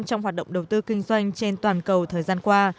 trong hoạt động đầu tư kinh doanh trên toàn cầu thời gian qua